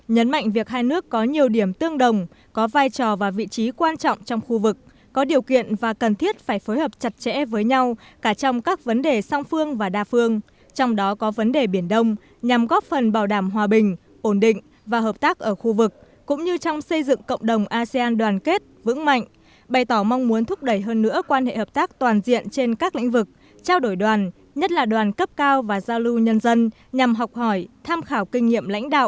nhấn mạnh việc hai nước có nhiều điểm tương đồng có vai trò và vị trí quan trọng trong khu vực có điều kiện và cần thiết phải phối hợp chặt chẽ với nhau cả trong các vấn đề sang phương và đa phương trong đó có vấn đề biển đông nhằm góp phần bảo đảm hòa bình ổn định và hợp tác ở khu vực cũng như trong xây dựng cộng đồng asean đoàn kết vững mạnh bày tỏ mong muốn thúc đẩy hơn nữa quan hệ hợp tác toàn diện trên các lĩnh vực trao đổi đoàn nhất là đoàn cấp cao và giao lưu nhân dân nhằm học hỏi tham khảo kinh nghiệ